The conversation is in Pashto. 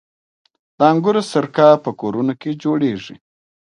د انګورو سرکه په کورونو کې جوړیږي.